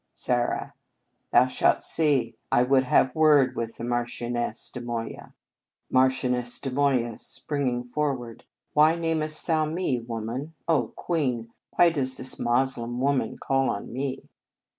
Zara. Thou shalt see. I would have word with the Marchioness de Moya. Marchioness de Moya (springing forward). Why namest thou me, woman? O Queen! why does this Moslem woman call on me?